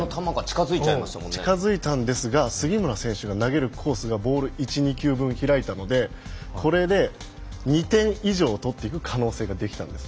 近づいたんですが杉村選手が投げるコースがボール１２球分空いたのでこれで２点以上取る可能性が出たんです。